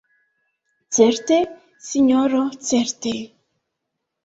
Certe, sinjoro, certe!